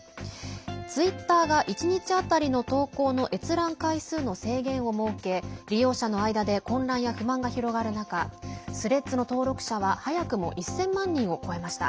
ツイッターが１日当たりの投稿の閲覧回数の制限を設け利用者の間で混乱や不満が広がる中スレッズの登録者は早くも１０００万人を超えました。